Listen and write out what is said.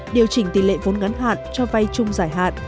điều chỉnh tỷ lệ vốn ngắn hạn cho vay chung giải hạn